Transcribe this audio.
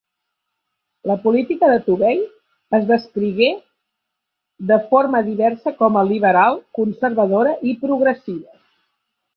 La política de Tobey es descrigué de forma diversa com a liberal, conservadora i progressiva.